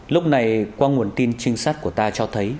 lúc này qua nguồn tin trinh sát của ta cho thấy